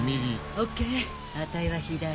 ＯＫあたいは左。